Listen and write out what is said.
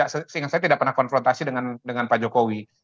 seingat saya tidak pernah konfrontasi dengan pak jokowi